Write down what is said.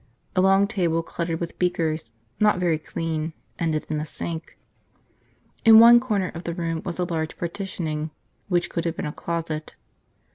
A long table cluttered with beakers, not very clean, ended in a sink. In one corner of the room was a large partitioning which could have been a closet.